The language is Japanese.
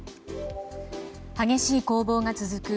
激しい攻防が続く